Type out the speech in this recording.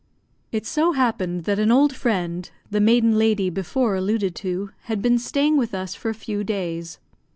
It so happened that an old friend, the maiden lady before alluded to, had been staying with us for a few days.